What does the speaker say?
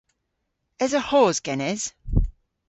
Esa hos genes?